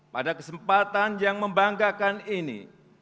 pada kesempatan yang membanggakan ini